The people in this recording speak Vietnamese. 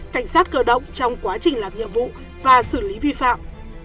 cảnh sát cơ động trong quá trình làm nhiệm vụ và xử lý vi phạm